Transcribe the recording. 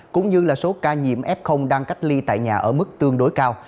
cũng như là số ca nhiễm f đang cách ly tại nhà ở mức tương đối cao